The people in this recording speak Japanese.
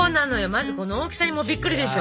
まずこの大きさにもびっくりでしょ？